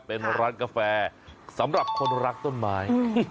เป็นร้านกาแฟสำหรับคนรักต้นไม้